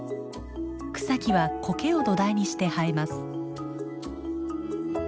草木はコケを土台にして生えます。